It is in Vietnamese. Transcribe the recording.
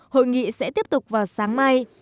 hội nghị sẽ tiếp tục vào sáng mai